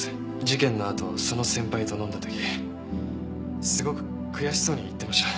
事件のあとその先輩と飲んだ時すごく悔しそうに言ってました。